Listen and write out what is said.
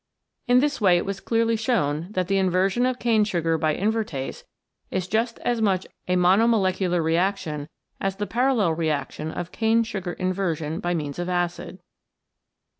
In this way it was clearly shown that the inversion of cane sugar by invertase is just as much a monomolecular reaction as the parallel reaction of cane sugar inversion by means of acid.